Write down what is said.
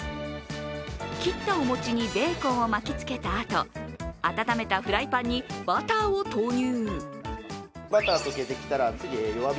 切ったお餅にベーコンを巻きつけたあと温めたフライパンにバターを投入。